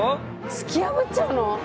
突き破っちゃうの？